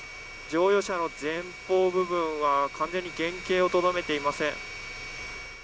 乗用車の前方部分は完全に原形をとどめていません。